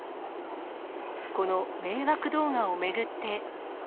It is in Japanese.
この迷惑動画を巡って。